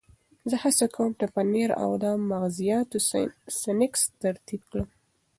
زه هڅه کوم د پنیر او مغزیاتو سنکس ترکیب وکړم.